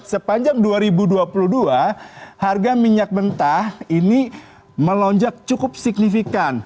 sepanjang dua ribu dua puluh dua harga minyak mentah ini melonjak cukup signifikan